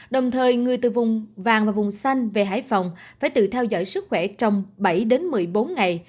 đồng thời người từ vùng vàng và vùng xanh về hải phòng phải tự theo dõi sức khỏe trong bảy đến một mươi bốn ngày